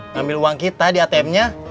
ngambil uang kita di atm nya